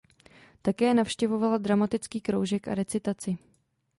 Také navštěvovala dramatický kroužek a recitaci.